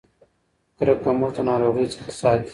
کرکه موږ د ناروغۍ څخه ساتي.